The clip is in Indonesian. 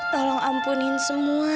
tolong ampunin semua